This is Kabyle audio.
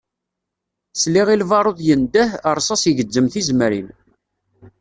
Sliɣ i lbarud yendeh, rsas igezzem tizemrin.